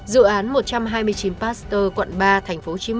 dự án một trăm hai mươi chín pasteur quận ba tp hcm